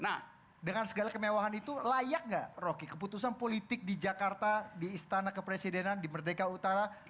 nah dengan segala kemewahan itu layak nggak rocky keputusan politik di jakarta di istana kepresidenan di merdeka utara